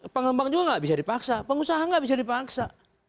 pengembang juga tidak bisa dipaksa pengusaha tidak bisa dipaksa